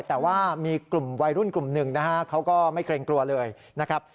แต่ว่ามีกลุ่มวัยรุ่นกลุ่มหนึ่งนะฮะเขาก็ไม่เกรงกลัวเลยนะครับ